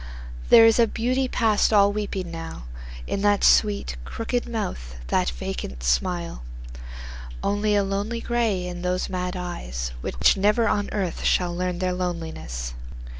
There is a beauty past all weeping now In that sweet, crooked mouth, that vacant smile; Only a lonely grey in those mad eyes, Which never on earth shall learn their loneliness.